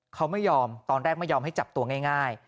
เขาไม่ยอมตอนแรกไม่ยอมให้จับตัวง่าย